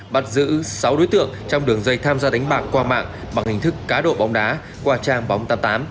bắt giữ sáu đối tượng trong đường dây tham gia đánh bạc qua mạng bằng hình thức cá độ bóng đá qua trang bóng tám mươi tám